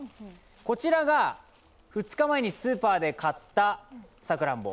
こちらが、２日前でスーパーで買ったさくらんぼ。